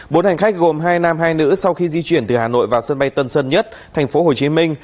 bốn hành khách gồm hai nam hai nữ sau khi di chuyển từ hà nội vào sân bay tân sơn nhất thành phố hồ chí minh